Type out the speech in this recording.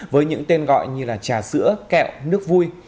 với những tên gọi như là trà sữa kẹo nước vui